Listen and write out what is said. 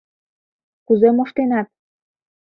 Кузе моштенат?